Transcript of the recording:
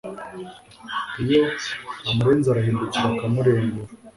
iyo amurenze arahindukira akamurengura,